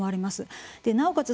なおかつ